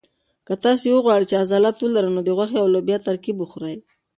که تاسي غواړئ چې عضلات ولرئ نو د غوښې او لوبیا ترکیب وخورئ.